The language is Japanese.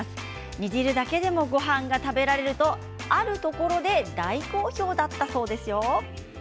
煮汁だけでも、ごはんが食べられると、あるところで大好評だったそうですよ。